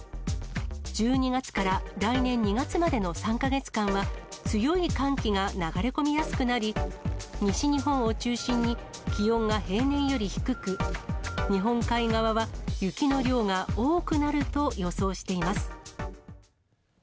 １２月から来年２月までの３か月間は、強い寒気が流れ込みやすくなり、西日本を中心に気温が平年より低く、日本海側は雪の量が多くなると予想しています。